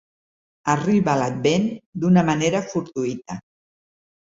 Arriba l'Advent d'una manera fortuïta.